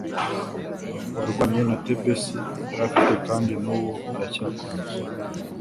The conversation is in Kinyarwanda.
warwanye na Tebesi yari afite kandi n'ubu aracyakomeza